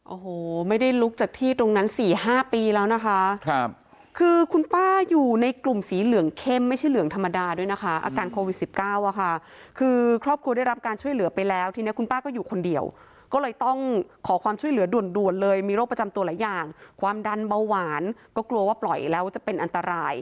โอ้โหไม่ได้ลุกจากที่ตรงนั้นสี่ห้าปีแล้วนะคะครับคือคุณป้าอยู่ในกลุ่มสีเหลืองเข้มไม่ใช่เหลืองธรรมดาด้วยนะคะอาการโควิดสิบเก้าอะค่ะคือครอบครัวได้รับการช่วยเหลือไปแล้วทีนี้คุณป้าก็อยู่คนเดียวก็เลยต้องขอความช่วยเหลือด่วนเลยมีโรคประจำตัวหลายอย่างความดันเบาหวานก็กลัวว่าปล่อยแล้วจะเป็นอันตราย